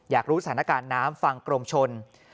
อยากรู้สถานการณ์น้ำฟังกรมชน